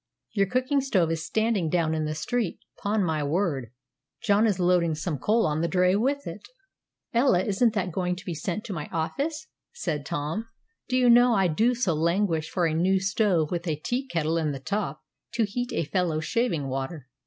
Your cooking stove is standing down in the street; 'pon my word, John is loading some coal on the dray with it." "Ella, isn't that going to be sent to my office?" said Tom; "do you know I do so languish for a new stove with a teakettle in the top, to heat a fellow's shaving water!"